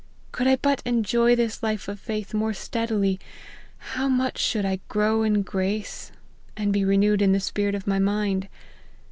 Could I but enjoy this life of faith more steadily, how much should I < grow in grace,' and be renewed in the spirit of my mind.